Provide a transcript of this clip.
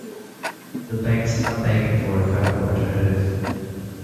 The banks are begging for a credible alternative.